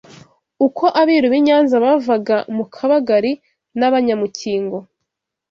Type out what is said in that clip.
uko abiru b’i Nyanza bavaga mu Kabagali n’Abanyamukingo